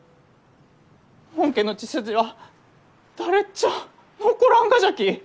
本家の血筋は誰ちゃあ残らんがじゃき。